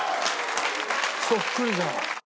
そっくりじゃん。